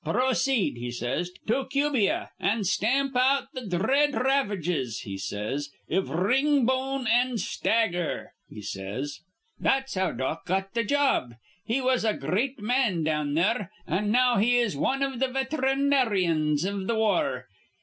'Pro ceed,' he says, 'to Cubia, an' stamp out th' dhread ravages,' he says, 'iv r ringbone an' stagger,' he says. "That's how Dock got th'job. He was a gr reat man down there, an' now he's wan iv th' vethranaryans iv th' war.